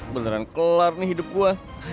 beneran kelar nih hidup gue